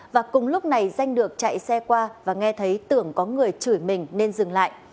và cùng lúc này danh được chạy xe qua và nghe thấy tưởng có người chửi mình nên dừng lại